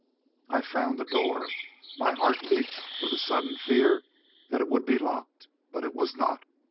I found a door. My heart leaped with a sudden fear that it would be locked, but it was not.